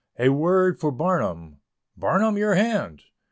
A WORD FOR BARNUM. BARNUM, your hand!